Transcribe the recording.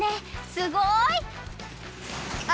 すごい！あ！